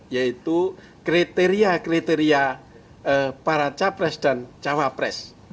yaitu kriteria kriteria para capres dan cawapres